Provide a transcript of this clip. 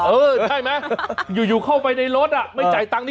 เออใช่ไหมอยู่เข้าไปในรถไม่จ่ายตังค์